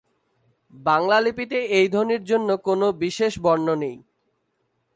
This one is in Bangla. বাংলা লিপিতে এই ধ্বনির জন্য কোনও বিশেষ বর্ণ নেই।